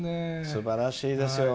すばらしいですよ。